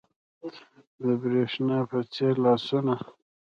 د برېښنا په څیر لاسونه